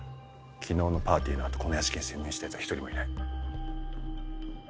昨日のパーティーの後この屋敷に潜入した奴は１人もいない。